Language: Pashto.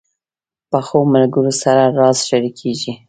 پخو ملګرو سره راز شریکېږي